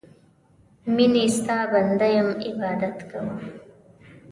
میینې ستا بنده یم عبادت کوم